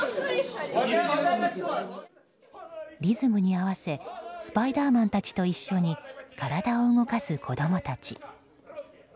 リズムに合わせスパイダーマンたちと一緒に体を動かす子供たち。